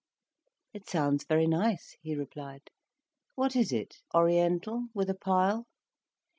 "It sounds very nice," he replied. "What is it? Oriental? With a pile?"